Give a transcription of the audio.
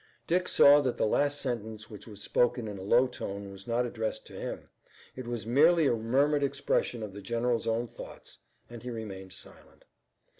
Dick saw that the last sentence which was spoken in a low tone was not addressed to him. It was merely a murmured expression of the general's own thoughts, and he remained silent.